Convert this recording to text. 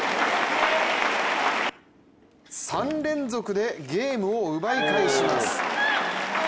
３連続でゲームを奪い返します。